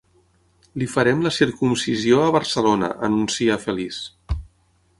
Li farem la circumcisió a Barcelona, anuncia feliç.